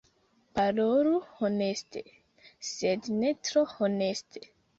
Parolu honeste... sed ne tro honeste.